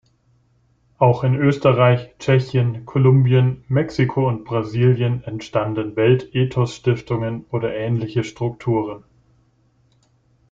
Auch in Österreich, Tschechien, Kolumbien, Mexiko und Brasilien entstanden Weltethos-Stiftungen oder ähnliche Strukturen.